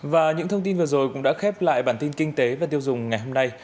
và những thông tin vừa rồi cũng đã khép lại bản tin kinh tế và tiêu dùng ngày hôm nay